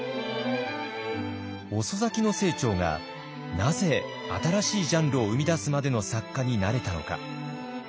遅咲きの清張がなぜ新しいジャンルを生み出すまでの作家になれたのか。